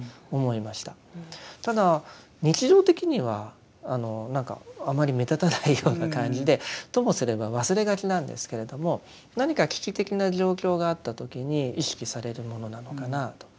ただ日常的にはあまり目立たないような感じでともすれば忘れがちなんですけれども何か危機的な状況があった時に意識されるものなのかなと。